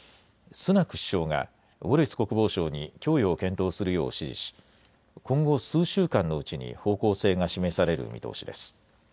スナク首相がウォレス国防相に供与を検討するよう指示し今後、数週間のうちに方向性が示される見通しです。